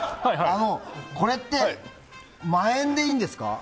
これって真円でいいんですか？